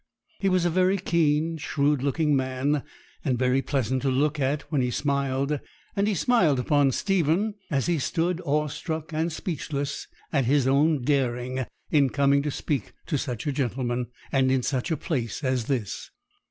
He was a very keen, shrewd looking man, and very pleasant to look at when he smiled; and he smiled upon Stephen, as he stood awe struck and speechless at his own daring in coming to speak to such a gentleman, and in such a place as this.